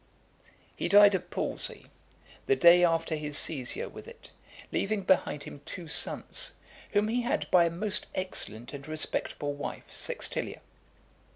III. He died of palsy, the day after his seizure with it, leaving behind him two sons, whom he had by a most excellent and respectable wife, Sextilia.